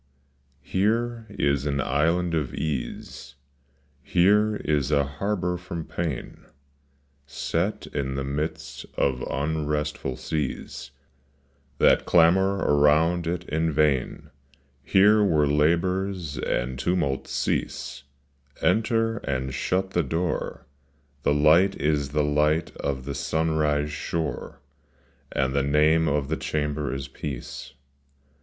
MERE is an island of ease, Here is a harbor from pain Set in the midst of unrestful seas That clamor around it in vain. Here where labors and tumnlts cease, Enter, and shut the door ; The light is the light of the sunrise shore, And the name of the chamber is peace.